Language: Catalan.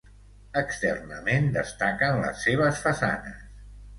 Externament destaquen les seves façanes.